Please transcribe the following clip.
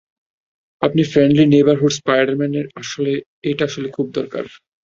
আপনাদের friendly neighbourhood স্পাইডার-ম্যানের এইটা আসলেই খুব দরকার।